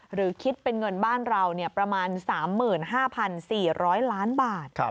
หรือคิดเป็นเงินบ้านเราประมาณ๓๕๔๐๐ล้านบาท